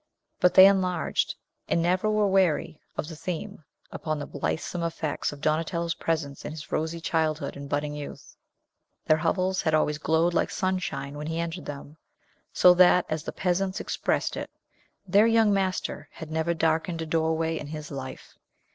But they enlarged and never were weary of the theme upon the blithesome effects of Donatello's presence in his rosy childhood and budding youth. Their hovels had always glowed like sunshine when he entered them; so that, as the peasants expressed it, their young master had never darkened a doorway in his life.